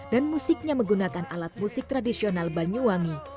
dan musiknya menggunakan alat musik tradisional banyuwangi